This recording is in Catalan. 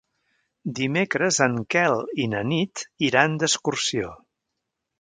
Dimecres en Quel i na Nit iran d'excursió.